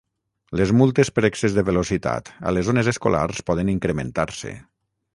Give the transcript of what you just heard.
Les multes per excés de velocitat a les zones escolars poden incrementar-se.